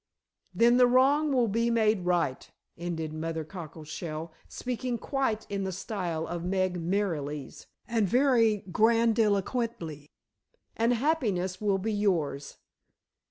Then the wrong will be made right," ended Mother Cockleshell, speaking quite in the style of Meg Merrilees, and very grandiloquently. "And happiness will be yours.